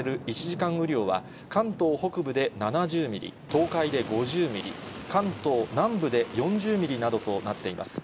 １時間雨量は、関東北部で７０ミリ、東海で５０ミリ、関東南部で４０ミリなどとなっています。